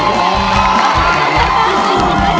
ร้องได้